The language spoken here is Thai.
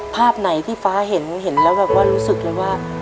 ภาพไหนที่ฟ้าเห็นเห็นแล้วแบบว่ารู้สึกเลยว่า